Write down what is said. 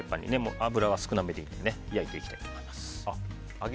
油は少なめで焼いていきたいと思います。